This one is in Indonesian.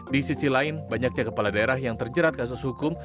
di sisi lain banyaknya kepala daerah yang terjerat kasus hukum